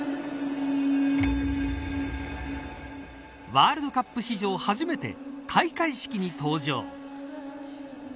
ワールドカップ史上初めて開会式に登場。